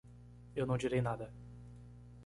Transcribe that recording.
Eu não direi nada.